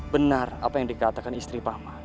benar apa yang dikatakan istri pama